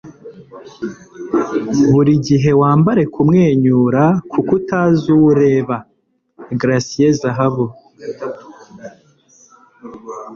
buri gihe wambare kumwenyura kuko utazi uwureba. - gracie zahabu